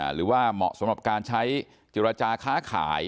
หรือว่าเหมาะกับการใช้จิตรจาค้าขาย